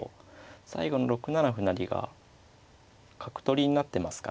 最後の６七歩成が角取りになってますからね